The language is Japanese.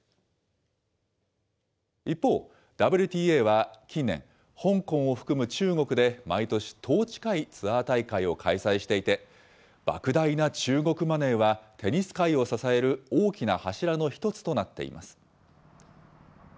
一方、ＷＴＡは近年、香港を含む中国で、毎年１０近いツアー大会を開催していて、ばく大な中国マネーは、テニス界を支える大きな柱の一つとなっています。